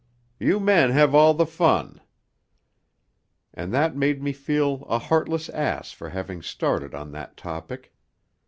'You men have all the fun.' And that made me feel a heartless ass for having started on that topic.